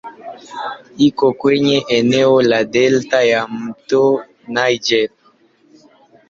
Iko kwenye eneo la delta ya "mto Niger".